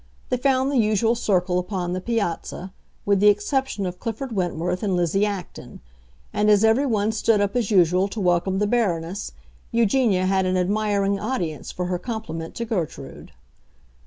They found the usual circle upon the piazza, with the exception of Clifford Wentworth and Lizzie Acton; and as everyone stood up as usual to welcome the Baroness, Eugenia had an admiring audience for her compliment to Gertrude.